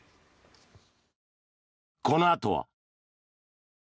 このあとは。